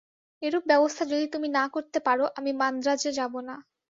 এরূপ ব্যবস্থা যদি তুমি না করতে পার, আমি মান্দ্রাজে যাব না।